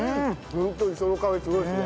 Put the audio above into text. ホント磯の香りすごいですね。